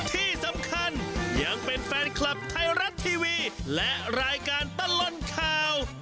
ที่สำคัญยังเป็นแฟนคลับไทยรัฐทีวีและรายการตลอดข่าว